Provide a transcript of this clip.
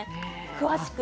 詳しく。